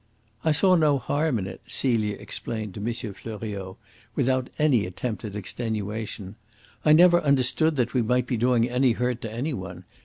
"I saw no harm in it," Celia explained to M. Fleuriot, without any attempt at extenuation. "I never understood that we might be doing any hurt to any one.